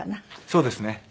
そうですね。